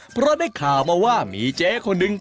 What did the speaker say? เพราะได้ข่าวมาว่ามีเจ๊คนนึง